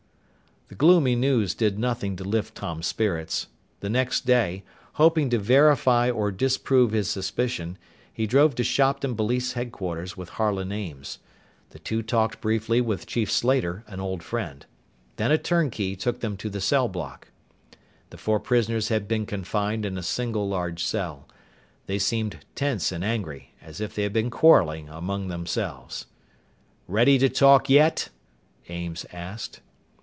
The gloomy news did nothing to lift Tom's spirits. The next day, hoping to verify or disprove his suspicion, he drove to Shopton Police Headquarters with Harlan Ames. The two talked briefly with Chief Slater, an old friend. Then a turnkey took them to the cell block. The four prisoners had been confined in a single large cell. They seemed tense and angry as if they had been quarreling among themselves. "Ready to talk yet?" Ames asked.